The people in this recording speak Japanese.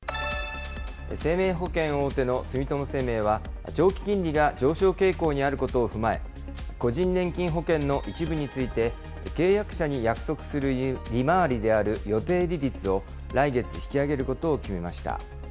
生命保険大手の住友生命は、長期金利が上昇傾向にあることを踏まえ、個人年金保険の一部について、契約者に約束する利回りである予定利率を来月引き上げることを決めました。